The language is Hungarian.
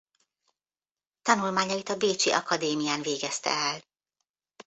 Tanulmányait a bécsi akadémián végezte el.